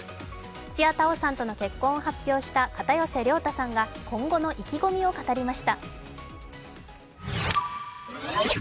土屋太鳳さんとの結婚を発表した片寄涼太さんが今後の意気込みを語りました。